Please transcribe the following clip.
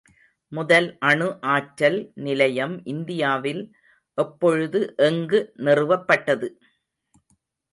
முதல் அணு ஆற்றல் நிலையம் இந்தியாவில் எப்பொழுது எங்கு நிறுவப்பட்டது?